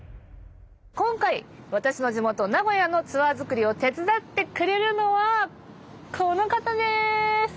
今回私の地元名古屋のツアー作りを手伝ってくれるのはこの方です！